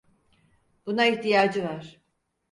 Buna ihtiyacı var.